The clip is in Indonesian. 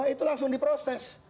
itu langsung diproses